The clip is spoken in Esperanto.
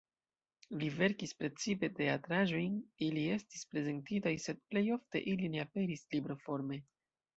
Li verkis precipe teatraĵojn, ili estis prezentitaj sed plej ofte ili ne aperis libroforme.